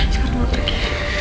sekarang gue mau pergi